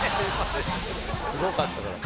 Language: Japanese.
すごかったから。